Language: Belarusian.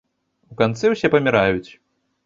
У канцы ўсе паміраюць.